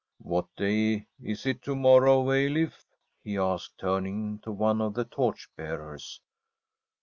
' What day is it to morrow, Eilif ?' he asked, turning to one of the torch bearers.